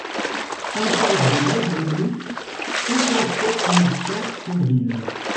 Impasse des Malgré-Nous, cinquante-sept mille cent Thionville